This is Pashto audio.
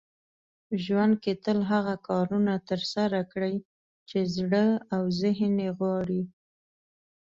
ژوند کې تل هغه کارونه ترسره کړئ چې زړه او ذهن يې غواړي .